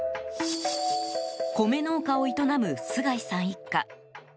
米農家を営む須貝さん一家。